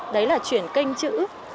đấy là chuyển kênh chữ